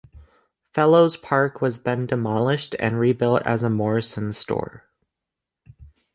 Fellows Park was then demolished and rebuilt as a Morrisons store.